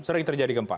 sering terjadi gempa